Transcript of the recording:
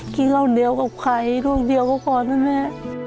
กิ๊บเก้าเดี่ยวกับใครลูกเดียวก็พอนะแม่